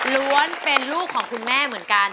ล้วนเป็นลูกของคุณแม่เหมือนกัน